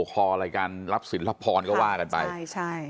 คอรายการรับศิลปรณ์ก็ว่ากันไป